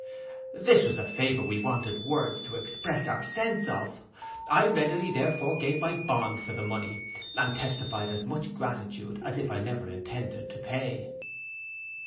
This was a favour we wanted words to express our sense of. I readily therefore gave my bond for the money, and testified as much gratitude as if I never intended to pay.